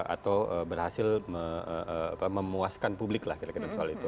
atau berhasil memuaskan publik lah kira kira soal itu